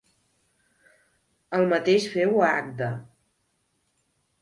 El mateix féu a Agde.